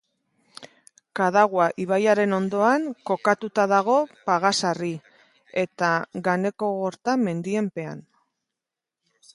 Kadagua ibaiaren ondoan kokatuta dago Pagasarri eta Ganekogorta mendien pean.